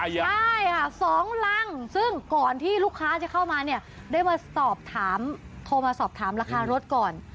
ใช่ค่ะ๒รังซึ่งก่อนที่ลูกค้าจะเข้ามาเนี่ยได้มาสอบถามโทรมาสอบถามราคารถก่อน